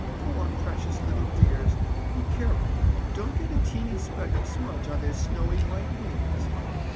"Poor, precious little dears! Be careful and don't get a teeny speck of smudge on their snowy white wings!